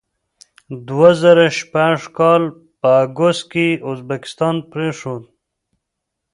دوه زره شپږ کال په اګست کې یې ازبکستان پرېښود.